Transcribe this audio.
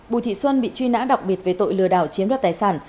bùi thị xuân bị truy nã đặc biệt về tội lừa đảo chiếm đoạt tài sản